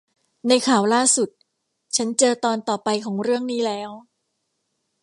ในข่าวล่าสุด ฉันเจอตอนต่อไปของเรื่องนี้แล้ว